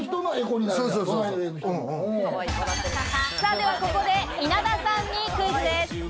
ではここで稲田さんにクイズです。